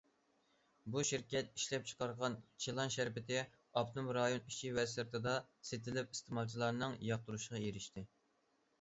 بۇ شىركەت ئىشلەپچىقارغان چىلان شەربىتى ئاپتونوم رايون ئىچى ۋە سىرتىدا سېتىلىپ، ئىستېمالچىلارنىڭ ياقتۇرۇشىغا ئېرىشتى.